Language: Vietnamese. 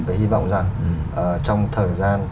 và hy vọng rằng trong thời gian